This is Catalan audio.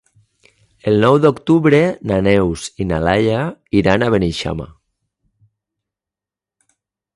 El nou d'octubre na Neus i na Laia iran a Beneixama.